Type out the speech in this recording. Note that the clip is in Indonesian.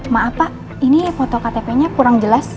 maaf pak ini foto ktp nya kurang jelas